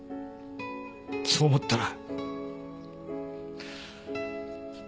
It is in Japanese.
そう思ったら。